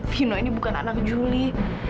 vino ini bukan anak juli